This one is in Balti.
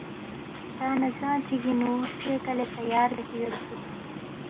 ہلتا نہ زَنگ چگِنگ نُو شے کلے تیار بیاسے یودسُوک